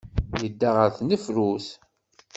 Yedda ɣer tnefrut.